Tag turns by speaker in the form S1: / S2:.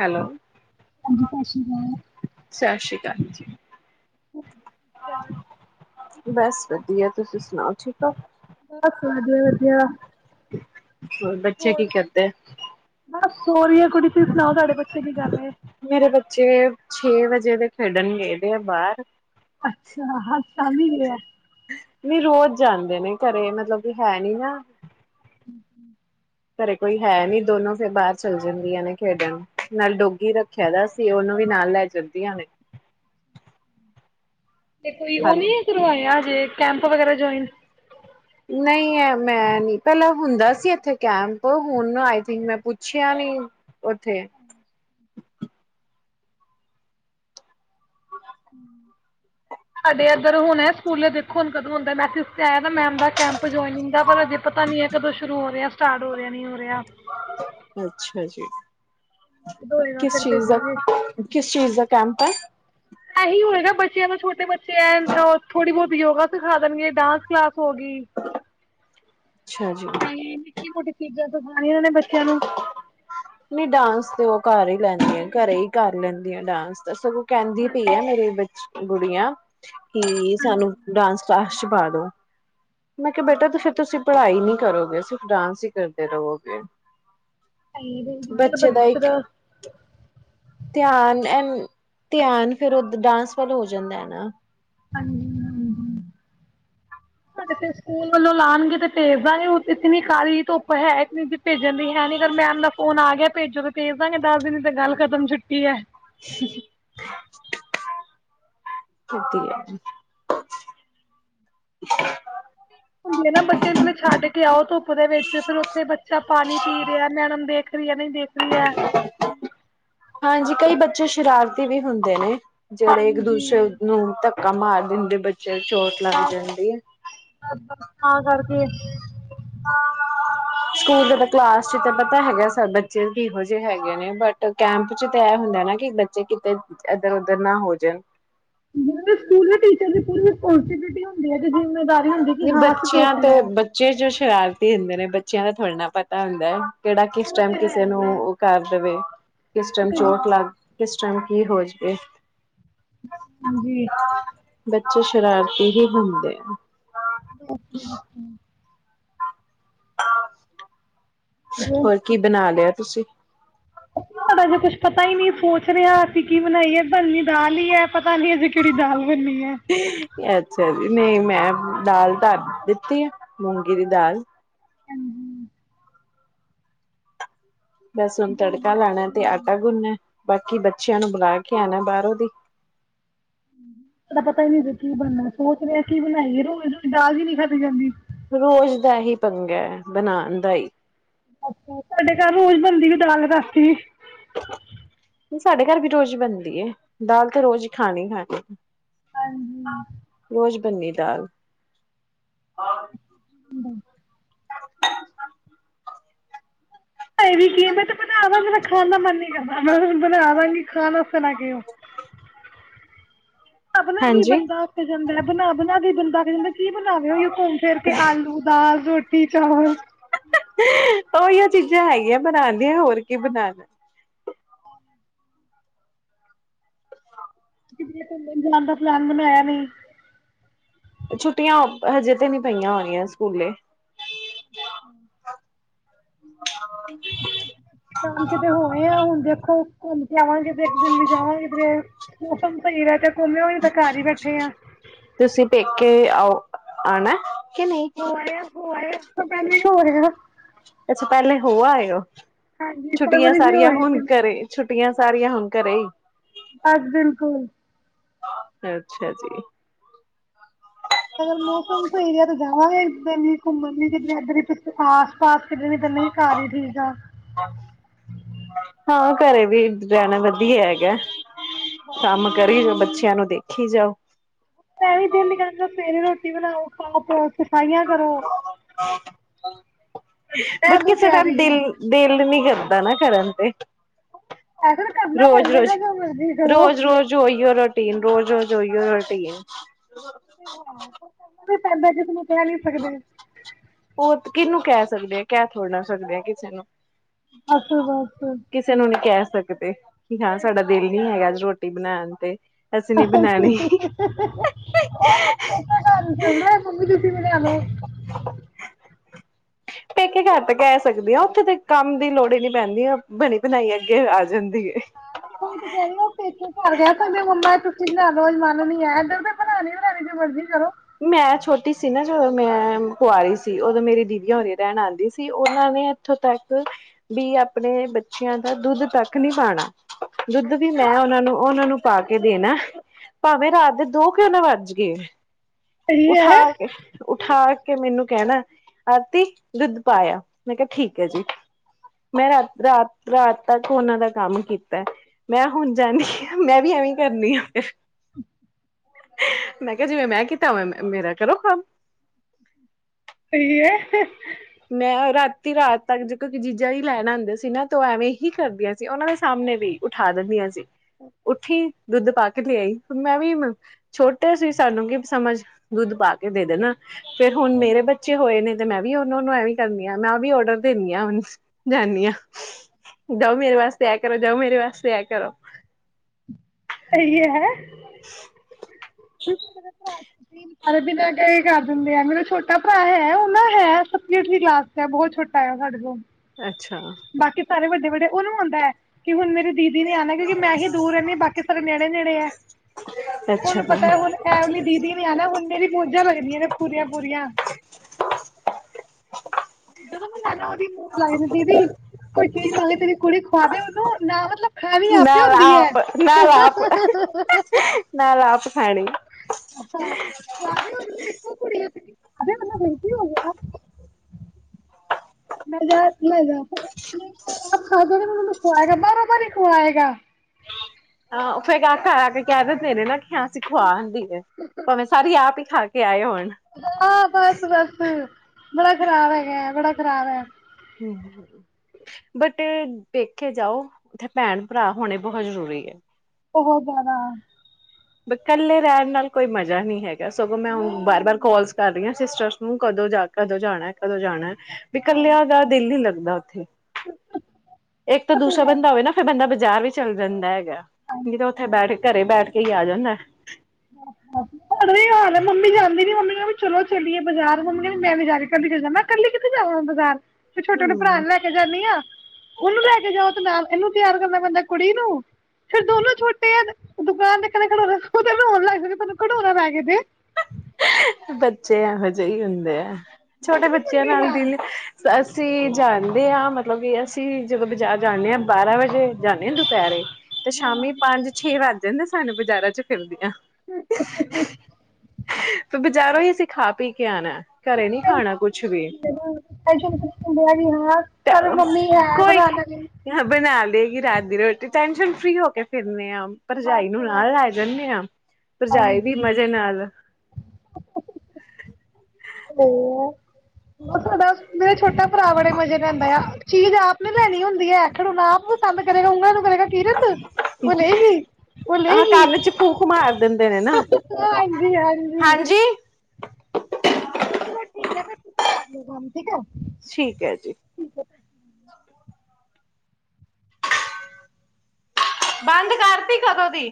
S1: Hello
S2: ਹਾਂਜੀ ਸਤਿ ਸ੍ਰੀ ਅਕਾਲ
S1: ਚ ਲਏ ਬਸ ਵਧੀਆ ਤੁਸੀਂ ਸੁਣਾਓ ਠੀਕ ਠਾਕ
S2: ਬਸ ਵਧੀਆ ਵਧੀਆ
S1: ਹੋਰ ਬੱਚੇ
S2: ਹੋਰ
S1: ਕੀ ਕਰਦੇ?
S2: ਬਸ ਹੋਰਹੀ ਹੈ ਕੁੜੀ ਤੁਸੀਂ ਸੁਣਾਓ ਤੁਡੇ ਬੱਚੇ ਅ ਕੀ ਕਰੇ
S1: ਮੇਰੇ ਬੱਚੇ ਛੇ ਵਜੇ ਦੇ ਖੇਡਣ ਗਏਦੇ ਆ ਬਾਹਰ
S2: ਅੱਛਾ ਹੱ ਸ਼ਾਮੀ ਹੋ
S1: ਨਹੀਂ ਰੋਜ਼ ਜਾਂਦੇ ਨੇ ਘਰੇ ਮਤਲਬ ਕਿ ਹੈ ਨੀ ਨਾ ਘਰੇ ਕੋਈ ਹੈ ਨੀ ਦੋਨੋ ਫਿਰ ਬਾਹਰ ਚੱਲ ਜਾਂਦੀਆਂ ਨੇ ਖੇਡਣ ਨਾਲ ਡੋਗੀ ਰੱਖਿਆ ਦਾ ਸੀ ਉਹਨੂੰ ਵੀ ਨਾਲ ਲੈ ਜਾਂਦੀਆਂ ਨੇ
S2: ਤੇ ਕੋਈ ਉਹ
S1: ਹਾਲੇ।
S2: ਨੀ ਕਰਵਾਇਆ ਜੇ ਕੈਂਪ ਵਗੈਰਾ ਜੁਆਇਨ
S1: ਨਹੀਂ ਮੈਂ ਨੀ ਪਹਿਲਾਂ ਹੁੰਦਾ ਸੀ ਇੱਥੇ ਕੈਂਪ ਹੁਣ ਆਈ ਥਿੰਕ ਮੈਂ ਪੁੱਛਿਆ ਨਹੀਂੀ ਉੱਥੇ
S2: ਸਾਡੇ ਇੱਧਰ ਹੁਣ ਸਕੂਲੇ ਦੇਖੋ ਹੁਣ ਕਦੋਂ ਹੁੰਦਾ ਮੈਥ ਆਇਆ ਮੈਮ ਦਾ ਕੈਂਪ ਜੁਆਇਨਿੰਗ ਦਾ ਪਰ ਅਜੇ ਪਤਾ ਨੀ ਹੈ ਕਦੋਂ ਸ਼ੁਰੂ ਹੋ ਰਿਹਾ ਸਟਾਰਟ ਹੋ ਰਿਹਾ ਨੀ ਹੋ ਰਿਹਾ
S1: ਅੱਛਾ ਜੀ
S2: ਕਦੋਂ ਹੋਏਗਾ
S1: ਕਿਸ
S2: ਫਿਰ
S1: ਚੀ ਦਾ
S2: ਭੇਜਾਂਗੇ।
S1: ਕਿਸ ਚੀਜ਼ ਦਾ ਕੈਂਮਪ ਹੈ
S2: ਬੱਚ ਛੋਟੇ ਬੱਚੇ ਐ ਥੋੜੀ ਬਹੁਤ ਯੋਗਾ ਸਿਖਾ ਦੇਣਗੇ ਡਾਂ ਕਲਾਸ ਹੋਗੀ
S1: ਅੱਛਾ ਜੀ।
S2: ਮੋਟੀ ਚੀਜ਼ਾਂ ਸਿਖਾਣੀਆਂ ਉਹ ਨੇ ਬੱਚਿਆਂ ਨੂੰ
S1: ਨਹੀਂ ਡਾਂਸ ਤੇ ਉਹ ਕਰ ਹੀ ਲੈਂਦੀ ਆ ਘਰੇ ਹੀ ਕਰ ਲੈਂਦੀਆਂ ਡਾਂਸ ਤਾਂ ਸਗੋਂ ਕਹਿੰਦੀ ਪਈ ਹੈ ਮੇਰੇ ਵਿੱਚ ਗੁੜੀਆਂ ਕਿ ਸਾਨੂੰ ਡਾਂਸ ਕਲਾਸ ਚ ਪਾਦੋ ਮੈਂ ਕਿਹਾ ਬੇਟਾ ਤੇ ਫੇਰ ਤੁਸੀਂ ਪੜ੍ਹਾਈ ਨਹੀਂੀ ਕਰੋਗੇ ਸਿਰਫ ਡਾਂਸ ਹੀ ਕਰਦੇ ਰਹੋਗੇ
S2: ਗਿੱਦੜ
S1: ਬੱਚੇ ਦਾ ਇੱਕ
S2: ਬੱਛੜਾ
S1: ਧਿਆਨ ਐ ਧਿਆਨ ਫੇਿਰ ਉਹ ਡਾਂਸ ਵੱਲ ਹੋ ਜਾਂਦਾ ਹੈ ਨਾ
S2: ਐ ਤੇ ਫਿਰ ਸਕੂਲ ਵੱਲੋਂ ਲਾਣਗੇ ਤੇ ਭੇਜ ਦਾਂਗੇ ਉਤ ਇਤਨੀ ਕਾਲੀ ਧੁੱਪ ਹੈ। ਭੇਜਣ ਦੀ ਹੈ ਨੀ ਅਗਰ ਮੈਂਮ ਦਾ ਫੋਨ ਆ ਗਿਆ ਭੇਜੋਗੇ ਭੇਜ ਦਾਂਗੇ ਦੱਸ ਦਿਨ ਤੇ ਗੱਲ ਖਤਮ ਛੁੱਟੀ ਐ।
S1: ਸੀ ਵਧੀਆ ਜੀ।
S2: ਹੁੰਦੀ ਨੇ ਨਾ ਬੱਚੇ ਨੂੰ ਪਲੇ ਛੱਡ ਕੇ ਆਓ ਧੁੱਪ ਦੇ ਵਿੱਚ ਫੇਰ ਉੱਥੇ ਬੱਚਾ ਪਾਣੀ ਪੀ ਰਿਐ, ਮੈਡਮ ਦੇਖ ਰੀ ਐ, ਨੀ ਦੇਖ ਰੀ ਐ
S1: ਹਾਂਜੀ ਕਈ ਬੱਚੇ ਸ਼ਰਾਰਤੀ ਵੀ ਹੁੰਦੇ ਨੇ। ਜਿਹੜੇ ਇੱਕ ਦੂਸਰੇ
S2: ਹਾਂਜੀ
S1: ਨੂੰ ਹੁਣ ਤੱਕ ਕਾ ਮਾਰ ਦਿੰਦੇ ਬੱਚ ਤੇ ਚੋਟ ਲੱਗ ਜਾਂਦੀ ਏ।
S2: ਹਾਂ, ਕਰਦੀ ਏ।
S1: ਸਕੂਲ ਦੇ ਬ ਤਾਂ ਕਲਾਸ ਚ ਪਤੈ ਤਾਂ ਹੈਗੈ ਸ ਬੱਚੇ ਕਿਹੋ ਜੇ ਹੈਗੇ ਨੇ ਬਟ ਕੈਂਪ ਚ ਤੇ ਇਹ ਹੁੰਦੈ ਨਾ ਕਿ ਬੱਚੇ ਕਿਤੇ ਇੱਧਰ ਉੱਧਰ ਨਾ ਹੋ ਜਾਣ।
S2: ਜਿਹ ਸਕੂਲ ਟੀਚਰ ਦ
S1: ਨਈ ਬੱਚਿਆਂ ਤੇ
S2: ਹੈ।
S1: ਬੱਚੇ ਜੋ ਸ਼ਰਾਰਤੀ ਹੁੰਦੇ ਨੇ ਬੱਚਿਆਂ ਦਾ ਥੋੜ੍ਹੇ ਨਾ ਪਤਾ ਹੁੰਦੈ। ਕਿਹੜਾ, ਕਿਸ
S2: ਉਹ
S1: ਟਾਈਮ,
S2: ਤੇ ਹੈ
S1: ਕਿਸੇ ਨੂੰ
S2: ਹੀ ਹੈ
S1: ਉਹ ਕਰ ਦਵੇ। ਕਿਸ
S2: ਉਹ
S1: ਟਾਈਮ
S2: ਤੇ ਹੈ
S1: ਚੋਟ ਲੱਗ ਕਿਸ ਚਮਕੀ ਹੋਜਵੇ
S2: ਜੀ
S1: ਬੱਚੇ ਸ਼ਰਾਰਤੀ ਹੀ ਹੁੰਦ ਤੇ
S2: [unintelligible]
S1: [unintelligible] ਹੋਰ ਕੀ ਬਣਾ ਲਿਆ? ਤੁਸੀ
S2: ਸਾਡਾ ਅਜੇ ਕੁਛ ਪਤਾ ਹੀ ਨਹੀਂ ਸੋਚ ਰੇ ਆਂ ਅਸੀ ਕੀ ਬਣਾਈਏ। ਬਣਨੀ ਦਾਲ ਈ ਐ ਪਤਾ ਨੀ ਅਜੇ ਕਿਹੜੀ ਦਾਲ ਬਣਨੀ ਹੈ
S1: ਅੱਛਾ ਜ ਨਈ ਮੈਂ ਦਾਲ ਧਰ ਦਿੱਤੀ ਆ, ਮੂੰਗੀ ਦੀ ਦਾਲ। ਲਸੁਣ ਤੜਕਾ ਲਾਨੈ ਤੇ ਆਟਾ ਗੁੰਨਨੈ ਬਾਕੀ ਬੱਚ ਬੱਚਿਆਂ ਨੂੰ ਬਲਾ ਕੇ ਆਣੈ ਬਾਹਰੋਂ ਦੀ।
S2: ਦਾ ਪਤਾ ਈ ਨੀ ਰ ਕੀ ਬਣਨੈ। ਸੋਚ ਰਏ ਆ ਕੀ ਬਣਾਈਏ ਰੋਜ਼-ਰੋਜ਼ ਦਾਲ ਵੀ ਨਈ ਖਾਧੀ ਜਾਂਦੀ।
S1: ਰੋਜ਼ ਦਾ ਹੀ ਪੰਗਾ ਐ, ਬਨਾਣ ਦਾ ਈ।
S2: ਅੱਛਾ ਸਾਡੇ ਘਰ ਰੋਜ਼ ਬਣਦੀ ਵੇ ਦਾਲ ਰਾਤੀ।
S1: ਸਾਡੇ ਘਰ ਵੀ ਰੋਜ਼ ਈ ਬਣਦੀ ਏ, ਦਾਲ ਤੇ ਰੋਜ਼ ਈ ਖਾਣੀ ਈ ਖਾਣੀ
S2: ਹਾਂਜੀ
S1: ਰੋਜ਼ ਭਿੰਨੀ ਦਾਲ
S2: ਹੰ ਇਹ ਵੀ ਕੀ ਏ ਬਟ ਬਣਾ ਦਾਂ ਮੇਰਾ ਖਾਣ ਦਾ ਮਨ ਨਈ ਕਰਦਾ ਨਾ। ਬਣਾ ਦਾਂਗੀ ਖਾਣ ਆਸਤੇ ਨਾ ਕਹਿਓ। ਅਬ ਨੇ ਦੀ
S1: ਹਾਂਜੀ
S2: ਬੰਦਾ ਅੱਕ ਜਾਂਦੈ। ਬਣਾ ਬਣਾ ਕੇ ਬੰਦਾ ਕਹਿੰਦੇ ਕੀ ਬਣਾਵੇ ਹੋਈ ਉਹ ਘੁੰਮ ਫਿਰ ਕੇ ਆਲੂ ਦਾਲ ਰੋਟੀ ਚਾਵਲ
S1: ਉਹੀਓ ਚੀਜ਼ਾਂ ਹੈਗੀਆਂ ਬਣਾ ਦੀਆਂ ਹੋਰ ਕੀ ਬਣਾਣਾ
S2: ਪਿੰਡ ਜਾਾਨ ਦਾ ਫਲੰਗ ਨੂੰ ਹੋਇਆ ਨ
S1: ਛੁੱਟੀਆਂ ਹਜੇ ਤੇ ਨਹੀਂੀ ਪਈਆਂ ਹੋਣੀਆਂ ਸਕੂਲੇ ਹ
S2: [unintelligible] ਆ ਹੁਣ ਦੇਖੋ ਘੁੰਮ ਕੇ ਆਵਾਂਗੇ ਇੱਕ ਦਿਨ ਵੀ ਜਾਵਾਂਗੇ ਤੇ ਮੌਸਮ ਸਹੀ ਰਹਿ ਤੇ ਘੁੰਮਿਓ ਨਹੀਂ ਤਾਂ ਘਰ ਹੀ ਬੈਠੇ ਆ
S1: ਤੁਸੀਂ ਪੇਕੇ ਆਓ ਆਣਾ ਕਿ ਨਹੀਂ
S2: ਹੋਰਹਾ ਹੋ ਰਿਹਾ ਉਸ ਤੋਂ ਪਹਿਲਾਂ ਹੋ
S1: ਅੱਛਾ ਪਹਿਲੇ ਹੋਆ ਹੈ ਉਹ
S2: ਹਾਂਜੀ
S1: ਛੁੱਟੀਆਂ
S2: ਫਰਵਰੀ ਜੀ
S1: ਸਾਰੀਆਂ
S2: ਹੋਏ ਸੀ
S1: ਹੁਣ
S2: ਮੈਂ,
S1: ਕਰੇ ਛੁੱਟੀਆਂ ਸਾਰੀਆਂ ਹੁਣ ਘਰੇ ਹੀ
S2: ਬਸ ਬਿਲਕੁਲ
S1: ਅੱਛਾ ਜੀ
S2: ਅਗਰ ਮੌਸਮ ਸਹੀ ਹੈ ਤੇ ਜਾਵਾਂਗੇ ਇੱਧਰ ਵੀ ਘੁੰਮਣ ਲਈ ਜ ਇਧਰ ਪਿੱਛੇ ਆਸ ਸਾਸ ਖਡਣੀ ਪਿੰ ਘਰ ਹੀ ਠੀਕ ਆ
S1: ਹਾਂ ਘਰੇ ਵੀ ਰਹਿਣਾ ਵਧੀਆ ਹੈਗਾ ਕੰਮ ਕਰੀ ਬੱਚਿਆਂ ਨੂੰ ਦੇਖ ਰੱਖੀ ਜਾਓ
S2: ਵੀ ਦਿਲੀ ਕ ਸਵੇਰੇ ਰੋਟੀ ਬਣਾਉ ਪਾਪ ਇਹ
S1: ਬਟ
S2: ਦੀ
S1: ਕਿਸੇ ਟਾਈਮ
S2: ਤਿਆਰੀ ਹੈ
S1: ਦਿਲ ਦਿਲ ਨੀ ਕਰਦਾ ਦਾਂ ਨਾ ਕਰਨ ਤੇ
S2: ਐ ਤਾਂ ਕਰਨਾ
S1: ਰੋਜ਼
S2: ਪੈਂਦਾ ਨਾ ਜੋ ਮਰਜ਼ੀ ਕਰੋ
S1: ਯੂਰਰੋਟੀਨ ਰੋਜ਼ੋ ਜੋ ਯਰੋਟੀਨ
S2: ਵੀ ਪੈਂਦਾ ਕਿਸ ਨੂੰ ਕਹਿ ਨਹੀਂੀ ਸਕਦੇ
S1: ਉਹ ਕਿਹਨੂੰ ਕਹਿ ਸਕਦੇ ਆ ਕਿਆ ਥੋੜ੍ਹਾ ਸਕਦੇ ਆ ਕਿਸੇ ਨੂੰ
S2: ਅਸਸ
S1: ਕਿਸੇ ਨੂੰ ਨੀ ਕਹਿ ਸਕਦੇ ਕਿ ਹਾਂ ਸਾਡਾ ਦਿਲ ਨੀ ਹੈਗਾ ਰੋਟੀ ਬਣਾਉਣ ਤੇ ਅਸੀਂ ਨੀ ਬਣਾਉਣੀ
S2: ਉਹ ਗ ਚਦਾ ਮੰਮੀ ਤੇ ਮਲ
S1: ਦੇ ਕੇ ਘੱਟ ਕਹਿ ਸਕਦੀ ਹਾਂ ਉੱਥੇ ਤਾਂ ਕੰਮ ਦੀ ਲੋੜ ਹੀ ਨੀ ਪੈਂਦੀ ਆ ਬਣੀ ਬਣਾਈ ਅੱਗੇ ਆ ਜਾਂਦੀ ਹੈ
S2: ਹਾਂ ਮ ਹਣ ਤੇ ਕਹਿਦੀ ਉਹ ਪੇੇ ਘਰ ਗਿਆ ਤਾਂ ਮੰਮਾ ਬਣਾੋ ਮਨ ਨੀਂ ਇੱਧਰ ਤਾਂ ਬਣਾੀ ਵੀ ਲੈਣੀ ਤੇ ਮਰਜ਼ੀ ਕਰੋ
S1: ਮੈਂ ਛੋਟੀ ਸੀ ਨਾ ਜਦੋਂ ਮੈਂ ਕੁਆਰੀ ਸੀ। ਉਦੋਂ ਮੇਰੀ ਦੀਦੀ ਓਰੀਆਂ ਰਹਿਣ ਆਂਦੀ ਸ ਉਹਨਾਂ ਨੇ ਇੱਥੋਂ ਤੱਕ ਵੀ ਆਪਣੇ ਬੱਚਿਆਂ ਦਾ ਦੁੱਧ ਤੱਕ ਨੀ ਪਾਨਾ। ਦੁੱਧ ਵੀ ਮੈਂ ਉਹਨਾਂ ਨੂੰ, ਉਹਨਾਂ ਨੂੰ ਪਾ ਕੇ ਦੇਨਾ ਭਾਵੇਂ ਰਾਤ ਦੇ ਦੋ ਕਿਉਂ ਨਾ ਵਜ। [unintelligible]
S2: ਸਹੀ
S1: ਉਠਾ
S2: ਹੈ
S1: ਕੇ, ਉਠਾ ਕੇ ਮੈਨੂੰ ਕਹਿਣਾ ਆਰਤੀ ਦੁੱਧ ਪਾਇਆ, ਮੈਂ ਕਿਹਾ ਠੀਕ ਹੈ ਜੀ, ਮੈਂ ਰਾਤ, ਰਾਤ, ਰਾਤ ਤੱਕ ਉਹਨਾਂ ਦਾ ਕੰਮ ਕੀਤਾ ਮੈਂ ਹੁਣ ਜਾਂਨੀ ਆਂ ਮੈਂ ਵੀ ਐਵੇਂ ਕਰਨੀ ਆ ਫਿਰ ਮੈਂ ਕਿਹਾ ਜਿਵੇਂ ਮੈਂ ਕਿਤਾ ਮੈਂ, ਮੇਰਾ ਕਰੋ ਕੱਮ।
S2: ਸਹੀ ਐ।
S1: ਮੈਂ ਰਾਤੀ ਰਾਤ ਤੱਕ ਜੇ ਕੋ ਕੋਈ ਜੀਜਾ ਹੀ ਲੈਣ ਆਂਦੇ ਸੀ ਨਾ, ਤਾਂ ਉਹ ਐਵੇਂ ਹੀ ਕਰਦੀਆਂ ਸੀ ਉਹਨਾਂ ਦੇ ਸਾਹਮਣੇ ਵੀ ਉਠਾ ਦਿੰਦੀਆਂ ਸੀ। ਉੱਠੀ ਦੁੱਧ ਪਾ ਕੇ ਲਿਆਈ, ਹੁਣ ਮੈਂ ਵੀ ਛੋਟੇ ਸੀ ਸਾਨੂੰ ਕਿ ਸਮਝ ਦੁੱਧ ਪਾ ਕੇ ਦੇ ਦੇਣਾ। ਫੇਰ ਹੁਣ ਮੇਰੇ ਬੱਚੇ ਹੋਏ ਨੇ ਤੇ ਮੈਂ ਵੀ ਹੋ ਨੂੰ ਐ ਵੀ ਕਰਨੀ ਆ, ਮੈਂ ਉਹ ਵੀ ਔਡਰ ਦੇਨੀ ਆ, ਜਾਂਨੀ ਆ ਜਾਓ ਮੇਰੇ ਵਾਸਤੇ ਇਹ ਕਰੋ, ਜਾਓ ਮੇਰੇ ਵਾਸਤੇ ਇਹ ਕਰੋ।
S2: ਇਹੀ ਏ ਹੈ।
S1: [unintelligible]
S2: ਦੀਦੀ ਮੇਰਾ ਭਰਾ [unintelligible] ਸਾਰਾ ਦਿਨ [unintelligible] ਕਰ ਦਿੰਦੇ ਆ ਮੇਰਾ ਛੋਟਾ ਭਰਾ ਹੈ ਉਹ ਨਾ ਹੈ ਸੱਤਵੀ, ਅੱਠਵੀਂ ਕਲਾਸ ਚ ਹੈ ਬਹੁਤ ਛੋਟਾ ਹੈ ਸਾਡੇ ਤੋਂ।
S1: ਅ ਅੱਛਾ।
S2: ਬਾਕੀ ਸਾਰੇ ਵੱਡੇ ਵੱਡੇ ਉਹਨੂੰ ਨੂੰ ਹੁੰਦਾ ਹੈ ਕਿ ਹੁਣ ਮੇਰੇ ਦੀਦੀ ਨੇ ਆਣਾ ਐ ਕਿਉਂਕਿ ਮੈਂ ਹੀ ਦੂਰ ਰਹਿੰਦੀ ਬਾਕੀ ਸਾਰੇ ਨੇੜੇ-ਨੇੜੇ ਐ,
S1: ਅੱਛਾ
S2: ਉਹਨੂੰ ਪਤਾ ਹੁਣ ਐ ਵਾਲੀ ਦੀਦੀ ਨੇ ਆਨਾ ਹੁਣ ਮੇਰੀ ਬੂ ਜ਼ਾਂ ਲੱਗਦੀਆਂ ਨੇ ਪੂਰੀਆਂ-ਪੂਰੀਆਂ। ਜਦੋਂ ਮੈਂ ਜਾਨਾ ਓਹਦੀ [unintelligible] ਲੱਗਦੀ ਦੀਦੀ ਕੋਈ ਚੀਜ਼ [unintelligible] ਤੇਰੀ ਕੁੜੀ ਖਵਾਦੇ ਉਹਨੂੰ ਨਾ ਮਤਲਬ ਖਾਨੀ ਆਪਨੇ
S1: ਨਾਲ
S2: ਹੁੰਦੀ ਐ।
S1: ਆਪ ਨਾਲ ਆਪ ਹੈ ਣੀ।
S2: ਦੇ
S1: [unintelligible]
S2: [unintelligible] ਅਰੇ ਮੈਨੂੰ ਲੱਗਦੀ [unintelligible] ਆਪ ਖਾਏਗਾ, [unintelligible] ਬਾਰੋ ਬਾਰ ਹੀ ਖੁਆਏਗਾ।
S1: ਹਾਂ ਫਿਰ ਕ ਆ ਘਰ ਆ ਕੇ ਕਹਿ ਦੇਨੇ ਨੇ ਨਾ [unintelligible] ਖਵਾ ਆਂਦੀ ਏ, ਭਾਵੇਂ ਸਾਰੀ ਆਪ ਹੀ ਖਾ ਕੇ ਆਏ ਹੋਨ।
S2: ਹਾਂ ਬਸ ਬਸ ਕਰਾਰ ਹੈ।
S1: ਬਟ ਦੇਖੇ ਜਾਓ, ਉੱਥੇ ਭੈਣ ਭਰਾ ਹੋਣੇ ਬਹੁਤ ਜ਼ਰੂਰੀ ਐ।
S2: ਬਹੋਤ ਜ਼ਿਆਦਾ।
S1: ਬਈ ਕੱਲੇ ਰਹਿਨ ਨਾਲ ਕੋਈ ਮਜਾ ਨਹੀਂ ਹੈ। ਸਗੋਂ ਮੈਂ ਹੂਣ
S2: ਨਹੀਂ
S1: ਬਾਰ ਬਾਰ
S2: ਨਹੀਂ
S1: ਕੋਲਸ ਕਰ ਰਹੀ ਹਾਂ। ਸਿਸਟਰਸ ਨੂੰ, ਕਦੋਂ ਜਾ, ਕਦੋਂ ਜਾਣਾ, ਕਦੋਂ ਜਾਣਾ ਐ? ਵੀ ਕੱਲਿਆ ਦਾ ਦਿਲ ਹੀ ਲੱਗ ਲਦਾ ਉੱਥੇ ਇੱਕ ਤਾਂ
S2: ਉਹ ਤੇ
S1: ਦੂਸਰਾ
S2: ਹੈ
S1: ਬੰਦਾ ਹੋਵੇ ਨਾ ਫ਼ਿਰ ਬੰਦਾ ਪੰਜਜ਼ਾਰ ਵੀ ਚੱਲ ਜਾਂਦਾ ਹੈ ਤਾਂ ਉੱਥੇ ਬੈਠ ਕੇ ਘਰੇ ਬੈਠ ਕੇ ਹੀ ਆ ਜਾਂਦਾ ਹ
S2: ਪੜ ਹਾਲ ਮੰਮੀ ਜਾਂਦੀ ਨੀ ਮੰਮੀ ਵੀ ਚਲੋ ਚਲੀਏ ਬਾਜ਼ਾਰ ਮੰਮੀ ਮੈਂ ਨ ਜਾਹੀ ਕੱਲੀ ਚੱਲ ਜਾ ਮੈਂ ਕੱਲੀ ਕਿੱਥੇ ਜਾਵਾਂ ਬਾਜ਼ਾਰ ਤੇ ਛੋਟੇ ਭਰਾ
S1: ਹੂੰ।
S2: ਨੂੰ ਲੈ ਜਾਂਦੀ ਆ ਉਹਨੂੰ ਲੈ ਕੇ ਜਾਓ ਤੇ ਨਾਲ ਇਹਨੂੰ ਤਿਆਰ ਕਰਨਾ ਪੈਂਦਾ ਕੁੜੀ ਨੂੰ ਫੇਰ ਦੋਨੋ ਛੋਟੇ ਆ ਦੁਕਾਨ ਤੇ ਕਦੇ ਖੋ ਰ ਣਗਨੂੰ ਕੜ ਣਰਗਦੇ
S1: ਬੱਚੇ ਇਹੋ ਜਿਹੇ ਹੀ ਹੁੰਦੇ ਆ
S2: ਖੁਦ
S1: ਛੋਟੇ
S2: ਨੀ
S1: ਬੱਚਿਆਂ ਨਾਲ
S2: ਮੰਗੇਗਾ
S1: ਦਿਲ ਸੱਸ ਅਸੀਂ ਜਾਂਣਦੇ ਹਾਂ ਮਤਲਬ ਕਿ ਅਸੀਂ ਜਦੋਂ ਬਾਜ਼ਾਰ ਜਾਂਦੇ ਹਾਂ ਬਾਰਾਂ ਵਜੇ ਜਾਂਦੇ ਹ ਦੁਪਹਿਰੇ ਤੇ ਸ਼ਾਮੀ ਪੰਜ ਛੇ ਵਜੇ ਕਹਿੰਦੇ ਸਾਨੂੰ ਬਾਜ਼ਾਰਾਂ ਚ ਫਿਲਦੀਆਂ ਫ ਬਜ਼ਾਰੋਂ ਹੀ ਅਸੀਂ ਖਾ ਪੀ ਕੇ ਆਉਣਾ ਘਰੇ ਨੀ ਖਾਣਾ ਕੁਛ ਵੀ
S2: [unintelligible]
S1: ਗੀ ਰਾਤ ਦੀ ਰੋਟੀ ਟੈਨਸ਼ਨ ਫ੍ਰੀ ਹੋ ਕੇ ਫਿਰਨ ਆ
S2: ਬਸ
S1: ਭਰਜਾਈ ਨੂੰ ਨਾਲ ਲੈ
S2: ਬਸ
S1: ਜਾਂਦੇ ਹਾਂ ਭਰਜਾਈ ਦੀ
S2: ਹਾਂਜੀ
S1: ਮਜ਼ੇ ਨਾਲ
S2: ਬਹੁ ਸਾਡਾ ਮੇਰਾ ਛੋਟਾ ਪ੍ਰਵਣੇ ਮਜੇ ਨੇੇਦਾ ਆ ਚੀਜ਼ ਆਪ ਨ ਲੈਣੀ ਹੁੰਦੀ ਹੈ ਆਖ ਹੁਣ ਆਪ ਕੰਮ ਕਰੇਗਾ ਨੂੰ ਕਰੇਗਾ ਕਿਰਤ ਉਹ ਲਏਗੀ ਉਹ
S1: ਆਹ
S2: ਲਏਗੀ
S1: ਕੰਨ ਚ ਫੂਕ ਮਾਰ ਦਿੰਦੇ ਨੇ ਨਾ
S2: ਹਾਂਜੀ ਹਾਂਜੀ ਚਲੋ ਠੀਕ ਹੈ ਫੇਿਰ ਤੁਸੀਂ ਕਰ ਲ ਕੰਮ ਠੀਕ ਹੈ
S1: ਠੀਕ ਹੈ ਜੀ ਬੰਦ ਕਰਤੀ ਕਦੋਂ ਦੀ